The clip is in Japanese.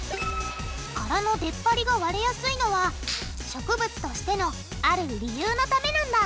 殻のでっぱりが割れやすいのは植物としてのある理由のためなんだ。